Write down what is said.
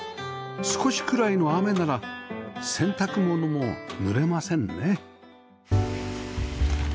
少しくらいの雨なら洗濯物もぬれませんね